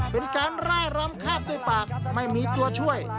เป็นการร่ายรำคาบด้วยปากไม่มีตัวช่วย